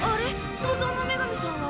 創造の女神さんは？